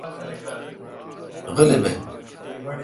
غلی بھ۔